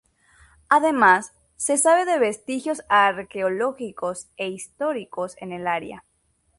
Además, se sabe de vestigios arqueológicos e históricos en el área.